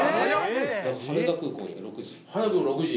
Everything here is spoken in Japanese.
羽田空港に６時。